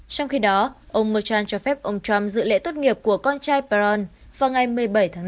trong khi đó ông merchan cho phép ông trump dự lệ tốt nghiệp của con trai perron vào ngày một mươi bảy tháng năm